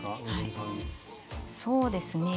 そうですね